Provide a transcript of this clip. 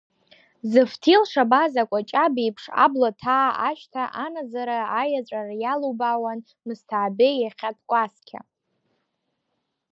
Зыфҭил шабаз акәаҷаб еиԥш, абла ҭаа ашҭа анаӡара аиаҵәара иаалубаауан Мысҭаабеи иахьатә кәасқьа.